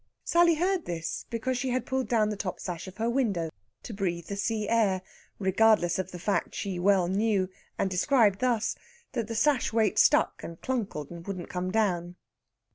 Sally heard this because she had pulled down the top sash of her window to breathe the sea air, regardless of the fact she well knew, and described thus that the sash weight stuck and clunkled and wouldn't come down.